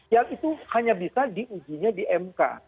yang itu hanya bisa di ujinya di mk